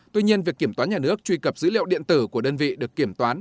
tuy nhiên việc kiểm toán nhà nước truy cập dữ liệu điện tử của đơn vị được kiểm toán